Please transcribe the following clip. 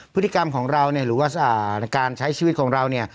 พฤติกรรมของเราเนี่ยหรือว่าการใช้ชีวิตของเราเนี่ย